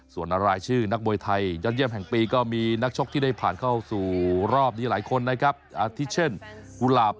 ส่วนรายชื่อนักมวยไทยยอดเยี่ยมแห่งปีก็มีนักชกที่ได้ผ่านเข้าสู่รอบนี้หลายคนนะครับอาทิตเช่นกุหลาบ